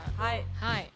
はい。